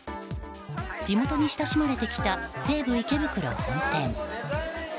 地元に親しまれてきた西武池袋本店。